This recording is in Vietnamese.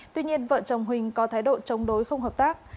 tuy nhiên vợ chồng huỳnh có thái độ chống đối không hợp tác